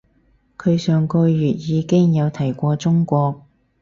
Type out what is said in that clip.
佢上個月已經有提過中國